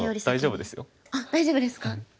大丈夫ですか。